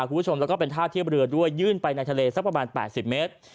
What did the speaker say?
คุณผู้ชมแล้วก็เป็นท่าเทียบเรือด้วยยื่นไปในทะเลสักประมาณ๘๐เมตร